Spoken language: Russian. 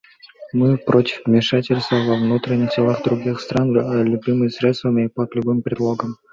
Мы против вмешательства во внутренние дела других стран любыми средствами и под любым предлогом.